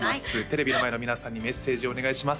テレビの前の皆さんにメッセージをお願いします